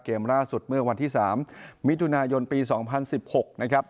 เกมล่าสุดเมื่อวันที่๓มิถุนายนปี๒๐๑๖นะครับ